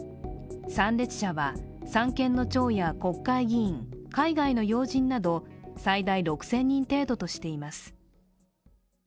参列者は三権の長や国会議員、海外の要人など最大６０００人程度としています。